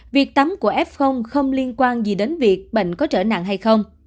việc tắm của f không liên quan gì đến việc bệnh có trở nặng hay không